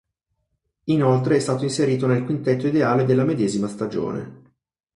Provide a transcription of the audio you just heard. Inoltre è stato inserito nel quintetto ideale della medesima stagione.